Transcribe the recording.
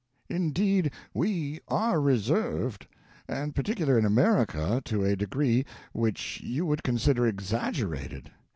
Indeed, we are reserved, and particular in America to a degree which you would consider exaggerated.